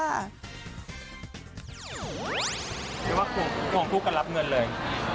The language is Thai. คิดว่าคุณคงทุกกันรับเงินเลย